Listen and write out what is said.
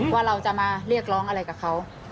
ว่าเราจะมาเรียกร้องอะไรกับเขา